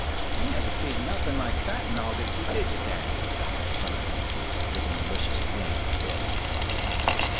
"You never seed nothin' like that in Augusty, did ye, daddy?" asked Simon, with a malicious wink at Ben.